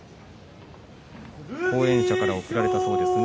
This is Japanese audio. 後援者から贈られたそうです。